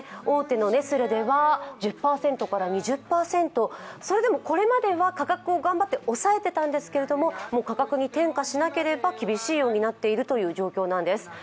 大手のネスレでは１０％から２０％、これまでは価格を頑張って抑えていたんですけれども価格に転嫁しなければ厳しい状況になっているようなんです。